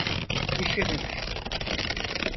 Düşünür.